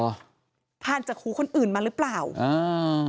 ผ่านจากหูคนอื่นมาหรือเปล่าอ่า